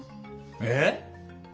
えっ！？